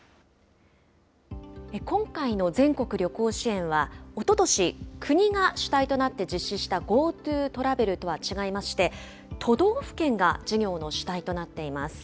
今回の全国旅行支援は、おととし、国が主体となって実施したＧｏＴｏトラベルとは違いまして、都道府県が事業の主体となっています。